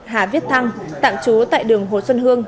hà viết thăng tạm trú tại đường hồ xuân hương